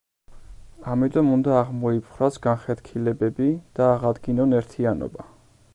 ამიტომ უნდა აღმოიფხვრას განხეთქილებები და აღადგინონ ერთიანობა.